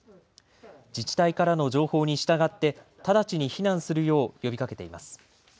自治体からの情報に従って直ちに避難するよう呼びかけています。